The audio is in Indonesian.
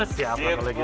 siapa kalau gitu